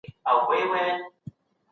دا وړاندې سوی تعریف بشپړ نه دی.